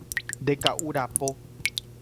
Ndeka'urapo